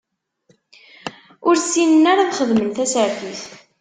Ur ssinen ara ad xedmen tasertit.